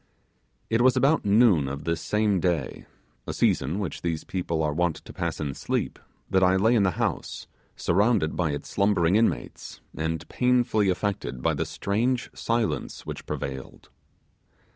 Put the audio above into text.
It was about noon of this same day, a season which these people are wont to pass in sleep, that I lay in the house, surrounded by its slumbering inmates, and painfully affected by the strange silence which prevailed.